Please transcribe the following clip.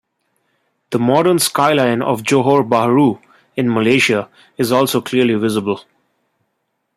The modern skyline of Johor Bahru in Malaysia is also clearly visible.